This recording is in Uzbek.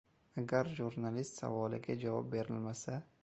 Agar jurnalist savoliga javob berilmasa...